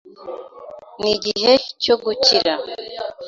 N'igihe cyo gukira